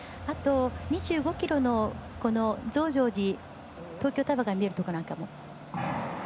２５ｋｍの増上寺東京タワーが見えるところなんかも。